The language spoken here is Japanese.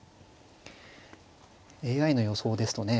ＡＩの予想ですとね